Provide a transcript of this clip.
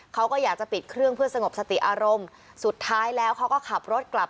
เขาก็อยากจะปิดเครื่องเพื่อสงบสติอารมณ์สุดท้ายแล้วเขาก็ขับรถกลับ